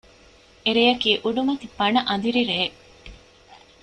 އެ ރެޔަކީ އުޑުމަތި ބަނަ އަނދިރި ރެއެއް